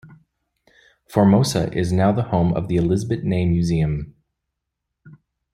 Formosa is now the home of the Elisabet Ney Museum.